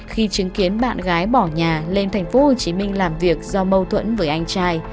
khi chứng kiến bạn gái bỏ nhà lên tp hcm làm việc do mâu thuẫn với anh trai